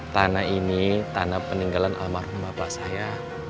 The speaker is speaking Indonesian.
tanah ini tanah peninggalan almarhum bapak saya